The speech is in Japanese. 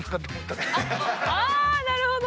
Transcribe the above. あなるほど！